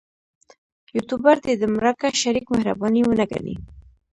یوټوبر دې د مرکه شریک مهرباني ونه ګڼي.